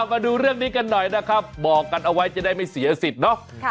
มาดูเรื่องนี้กันหน่อยนะครับบอกกันเอาไว้จะได้ไม่เสียสิทธิ์เนาะ